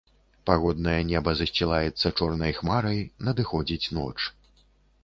Пагоднае неба засцілаецца чорнай хмарай, надыходзіць ноч.